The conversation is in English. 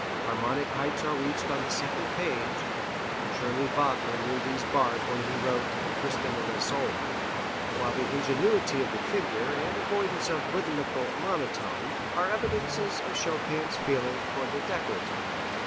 Harmonic heights are reached on the second page surely Wagner knew these bars when he wrote "Tristan and Isolde" while the ingenuity of the figure and avoidance of a rhythmical monotone are evidences of Chopin's feeling for the decorative.